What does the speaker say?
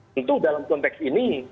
tentu dalam konteks ini